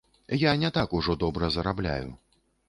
Я не так ужо добра зарабляю.